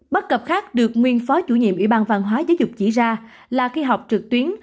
bất cập khác được nguyên phó chủ nhiệm ủy ban văn hóa giáo dục chỉ ra là khi học trực tuyến